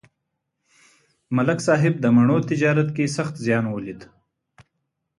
ملک صاحب د مڼو تجارت کې سخت زیان ولید.